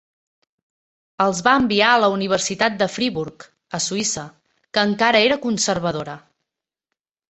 Els va enviar a la Universitat de Friburg, a Suïssa, que encara era conservadora.